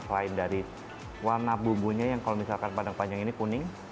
selain dari warna bumbunya yang kalau misalkan padang panjang ini kuning